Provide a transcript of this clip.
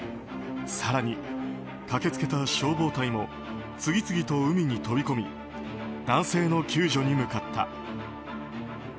更に、駆け付けた消防隊も次々と海に飛び込み男性の救助に向かった。